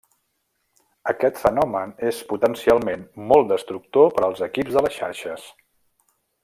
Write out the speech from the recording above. Aquest fenomen és potencialment molt destructor per als equips de les xarxes.